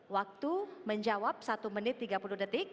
waktu menjawab satu menit tiga puluh detik